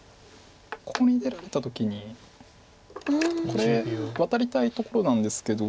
ここに出られた時にこれワタりたいところなんですけど